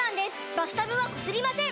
バスタブはこすりません！